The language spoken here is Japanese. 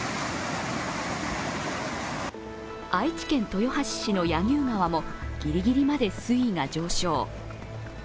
愛知県豊橋市の柳生川もギリギリまで水位が上昇。